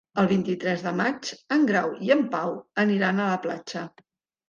El vint-i-tres de maig en Grau i en Pau aniran a la platja.